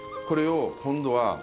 これを今度は。